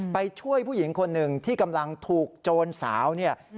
ไปช่วยผู้หญิงคนหนึ่งที่กำลังถูกโจรสาวเนี่ย